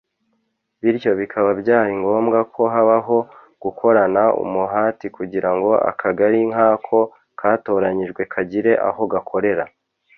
bityo bikaba byari ngombwa ko habaho gukorana umuhati kugirango Akagali nk’ako katoranyijwe kagire aho gakorera